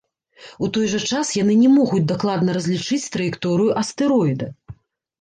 У той жа час яны не могуць дакладна разлічыць траекторыю астэроіда.